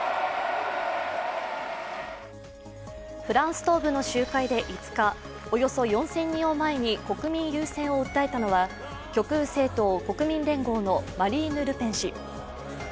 フランス東部の集会で５日、およそ４０００人を前に国民優先を訴えたのは、極右政党・国民連合のマリーヌ・ルペン氏。